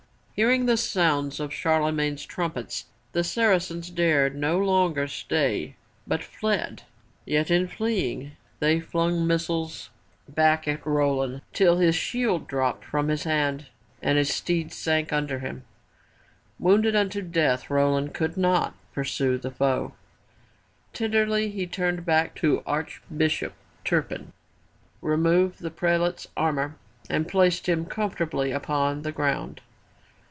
Hearing the sounds of Charlemagne's trumpets the Saracens dared no longer stay but fled, yet in fieeing they flung missiles 304 FROM THE TOWER WINDOW back at Roland till his shield dropped from his hand and his steed sank under him. Wounded unto death Roland could not pursue the foe. Tenderly he turned back to Archbishop Turpin, removed the prelate's armor and placed him comfortably upon the ground.